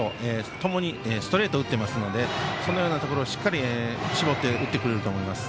ともにストレートを打っていますのでそのようなところをしっかり絞って打ってくれると思います。